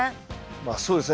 まあそうですね。